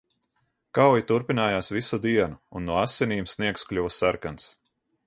Kauja turpinājās visu dienu un no asinīm sniegs kļuva sarkans.